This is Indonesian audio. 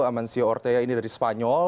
amancio ortega ini dari spanyol